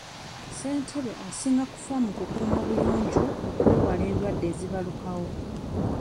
Ssentebe asinga kufa ku kukuuma buyonjo okwewala endwadde ezibalukawo.